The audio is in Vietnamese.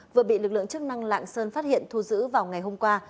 vừa bị lực lượng chức năng lạng sơn phát hiện thu giữ vào ngày hôm qua